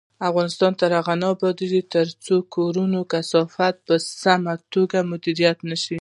افغانستان تر هغو نه ابادیږي، ترڅو د کورونو کثافات په سمه توګه مدیریت نشي.